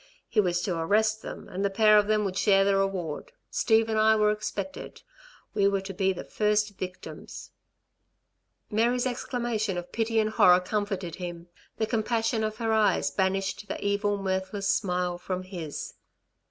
He was to arrest them, and the pair of them would share the reward. Steve and I were expected. We were to be first victims." Mary's exclamation of pity and horror comforted him. The compassion of her eyes banished the evil, mirthless smile from his.